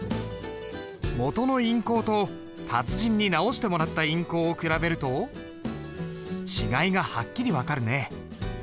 元の印稿と達人に直してもらった印稿を比べると違いがはっきり分かるね。